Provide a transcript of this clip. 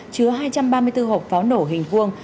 chứa hai trăm ba mươi bốn hộp pháo nổ hình vuông